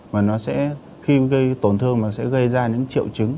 mà nó sẽ khi gây tổn thương mà sẽ gây ra những triệu chứng